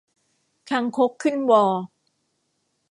คางคกขึ้นวอ